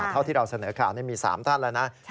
เท่าที่เราเสนอข่าวมี๓ท่านแล้วนะ